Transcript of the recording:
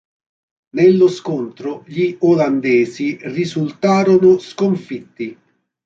Nello scontro gli olandesi risultarono sconfitti.